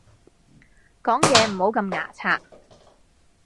講嘢唔好咁牙擦